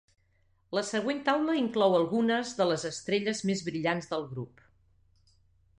La següent taula inclou algunes de les estrelles més brillants del grup.